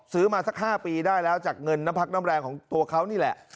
ซื้อมาสัก๕ปีได้แล้วจากเงินน้ำพักน้ำแรงของตัวเขานี่แหละ